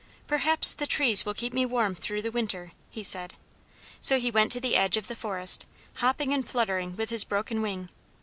"Perhaps the trees will keep me warm through the winter," he said. So he went to the edge of the forest, hopping and fluttering with his broken wing.